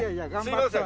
すいません。